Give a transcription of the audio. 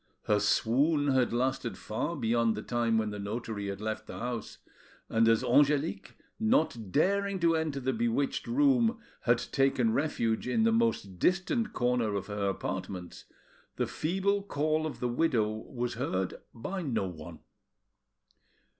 Her swoon had lasted far beyond the time when the notary had left the house; and as Angelique, not daring to enter the bewitched room, had taken refuge in the most distant corner of her apartments, the feeble call of the widow was heard by no one.